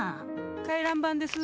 回覧板です。